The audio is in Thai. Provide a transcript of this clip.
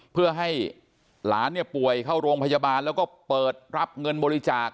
เพื่อให้หลานเนี่ยป่วยเข้าโรงพยาบาลแล้วก็เปิดรับเงินบริจาค